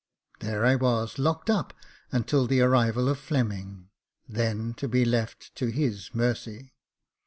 There I was, locked up, until the arrival of Fleming — then to be left to his mercy.